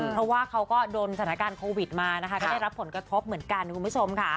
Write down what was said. เพราะว่าเขาก็โดนสถานการณ์โควิดมานะคะก็ได้รับผลกระทบเหมือนกันคุณผู้ชมค่ะ